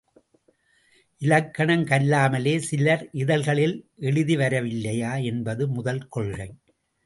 இலக்கணம் கல்லாமலேயே சிலர் இதழ்களில் எழுதிவரவில்லையா என்பது முதல் கொள்கை.